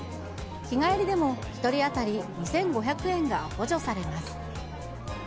日帰りでも、１人当たり２５００円が補助されます。